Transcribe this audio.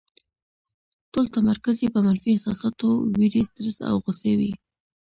ټول تمرکز یې په منفي احساساتو، وېرې، سټرس او غوسې وي.